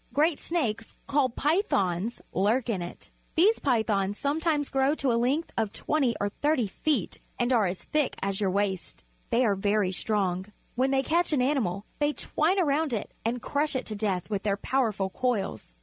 Great snakes, called pythons, lurk in it. These P3' thons some times grow to a length of twenty or thirty feet and are as thick as your waist. They are very A Python strong. When they catch an animal, they twine around it and crush it to death with their powerful coils.